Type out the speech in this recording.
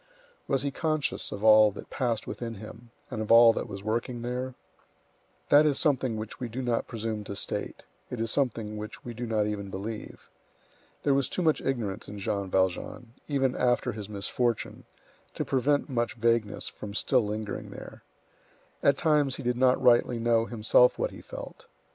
Was he conscious of all that passed within him, and of all that was working there? That is something which we do not presume to state; it is something which we do not even believe. There was too much ignorance in Jean Valjean, even after his misfortune, to prevent much vagueness from still lingering there. At times he did not rightly know himself what he felt.